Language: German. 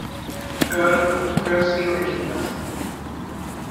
Earl of Douglas hinrichten lassen.